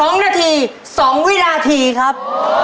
๒นาที๒วินาทีครับ